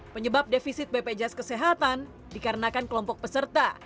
penyebab defisit bpjs kesehatan dikarenakan kelompok peserta